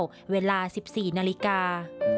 เวลา๑๔นาฬิกา